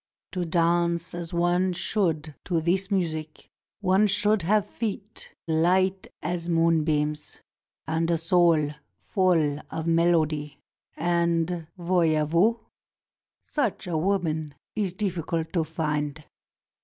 To dance as one should to this music one should have feet light as moonbeams and a soul full of melody, and, voyez vous ? such a woman is difl&cult to find.